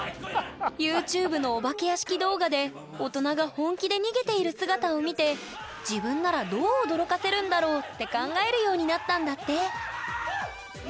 ＹｏｕＴｕｂｅのお化け屋敷動画で大人が本気で逃げている姿を見て自分ならどう驚かせるんだろう？って考えるようになったんだって！